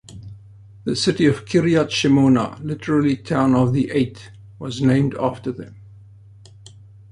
The city of Kiryat Shemona, literally "Town of the Eight" was named after them.